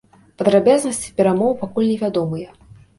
Падрабязнасці перамоваў пакуль невядомыя.